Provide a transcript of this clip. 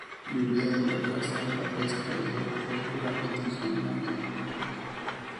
Vivían de la caza, la pesca y la agricultura y tejían lana y lino.